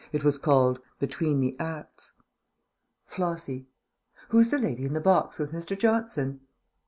It was called "BETWEEN THE ACTS Flossie. 'Who's the lady in the box with Mr. Johnson?'